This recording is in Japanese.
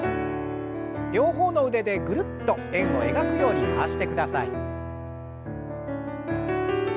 両方の腕でぐるっと円を描くように回してください。